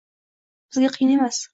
Bizga qiyin emas